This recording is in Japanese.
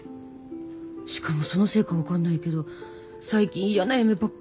しかもそのせいか分かんないけど最近やな夢ばっかり見るのよ。